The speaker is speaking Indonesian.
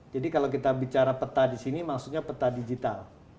jadi kalau kita bicara peta di sini maksudnya peta digital